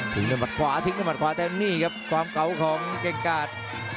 ถึงในมัดขวาทิ้งในมัดขวาแต่นี่ครับความเก๋าของเกรงกราศ